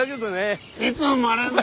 いつ生まれんだ！